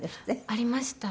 ありました。